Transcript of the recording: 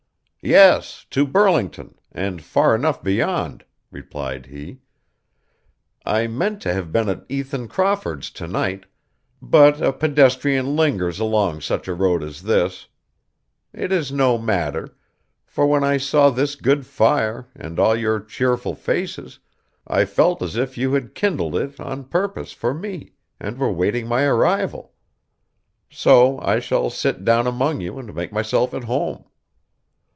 'Yes; to Burlington, and far enough beyond,' replied he. 'I meant to have been at Ethan Crawford's tonight; but a pedestrian lingers along such a road as this. It is no matter; for, when I saw this good fire, and all your cheerful faces, I felt as if you had kindled it on purpose for me, and were waiting my arrival. So I shall sit down among you, and make myself at home.